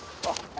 あっ？